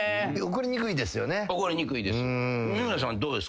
怒りにくいです。